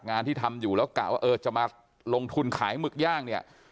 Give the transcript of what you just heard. งานที่ทำอยู่แล้วจะมาลงทุนขายมึกย่างเนี่ย